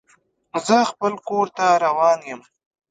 زه خپل کور ته روان یم.